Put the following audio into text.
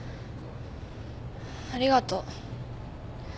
ありがとう。